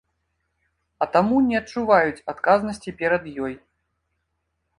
А таму не адчуваюць адказнасці перад ёй.